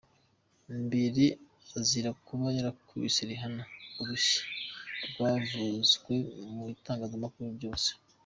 mbere azira kuba yarakubise Rihanna urushyi rwavuzwe mu bitangazamakuru byose.